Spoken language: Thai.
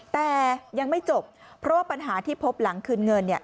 แต่ยังไม่จบเพราะว่าปัญหาที่พบหลังคืนเงินเนี่ย